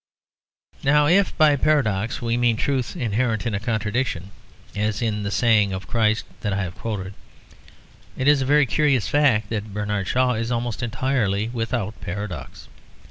Now if by paradox we mean truth inherent in a contradiction, as in the saying of Christ that I have quoted, it is a very curious fact that Bernard Shaw is almost entirely without paradox.